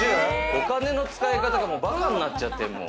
お金の使い方がもうバカになっちゃってるもん。